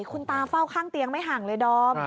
คุณตาเฝ้าข้างเตียงไม่ห่างเลยดอม